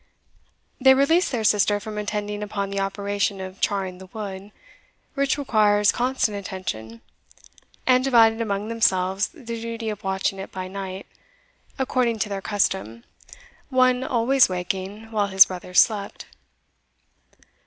They released their sister from attending upon the operation of charring the wood, which requires constant attention, and divided among themselves the duty of watching it by night, according to their custom, one always waking, while his brothers slept.